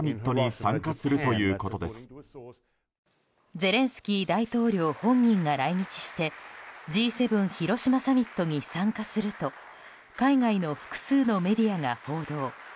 ゼレンスキー大統領本人が来日してＧ７広島サミットに参加すると海外の複数のメディアが報道。